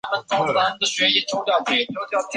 阿库别瑞度规。